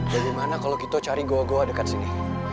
bagaimana kalau kita cari goa goa dekat sini